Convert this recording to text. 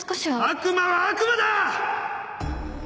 悪魔は悪魔だ！